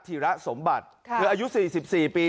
ธีระสมบัติเธออายุ๔๔ปี